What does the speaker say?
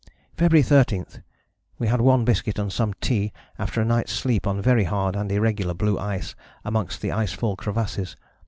"February 13. We had one biscuit and some tea after a night's sleep on very hard and irregular blue ice amongst the ice fall crevasses.